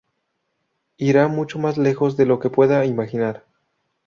Irá mucho más lejos de lo que pueda imaginar.